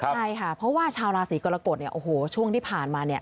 ใช่ค่ะเพราะว่าชาวราศีกรกฎช่วงที่ผ่านมา